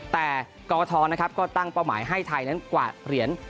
แต่กรกฐนะครับก็ตั้งเป้าหมายให้ไทยนั้นกวาดเหรียญ